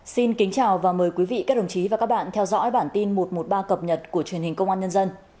xin kính chào và mời quý vị các đồng chí và các bạn theo dõi bản tin một trăm một mươi ba cập nhật của truyền hình công an nhân dân